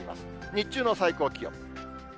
日中の最高気温。